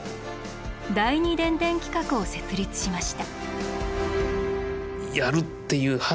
第二電電企画を設立しました。